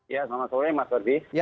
ya selamat sore mas ferdi